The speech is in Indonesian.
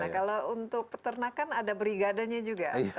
nah kalau untuk peternakan ada brigadanya juga